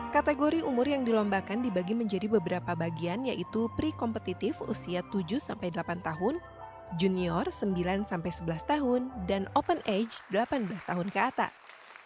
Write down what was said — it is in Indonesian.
kategori umur yang dilombakan dibagi menjadi beberapa bagian yaitu pre kompetitif usia tujuh delapan tahun junior sembilan sebelas tahun dan open age delapan belas tahun ke atas